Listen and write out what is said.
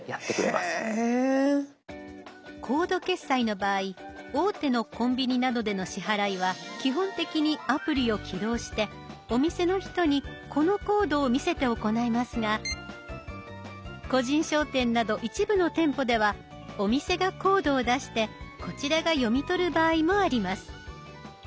コード決済の場合大手のコンビニなどでの支払いは基本的にアプリを起動してお店の人にこのコードを見せて行いますが個人商店など一部の店舗ではお店がコードを出してこちらが読み取る場合もあります。